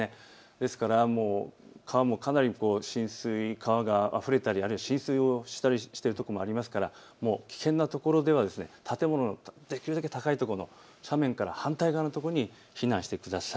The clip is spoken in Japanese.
ですから川もかなり浸水、川があふれたりあるいは浸水をしたりしているところもありますから危険な所では建物のできるだけ高いところの斜面から反対側の所に避難してください。